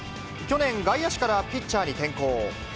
去年、外野手からピッチャーに転向。